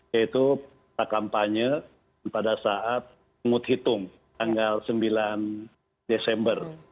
yaitu kampanye pada saat mengut hitung tanggal sembilan desember